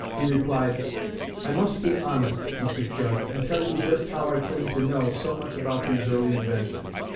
He replied: 'I must be honest, Mrs. Judd, and tell you just how I come to know so much about these early inventions.'